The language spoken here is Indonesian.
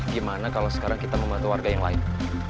gimana kalau sekarang kita membantu warga yang lain